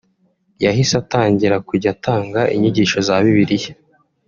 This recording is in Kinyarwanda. yahise atangira kujya atanga inyigisho za bibiliya